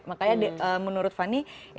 makanya menurut fani